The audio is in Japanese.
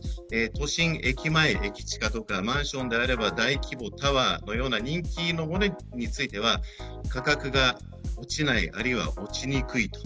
都心、駅前、駅地下とかマンションであれば大規模タワーのような人気のものについては、価格が落ちない、あるいは落ちにくい。